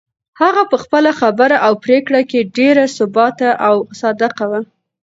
هغه په خپله خبره او پرېکړه کې ډېره ثابته او صادقه وه.